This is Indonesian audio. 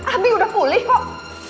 abi udah pulih kok